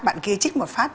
bạn kia chích một phát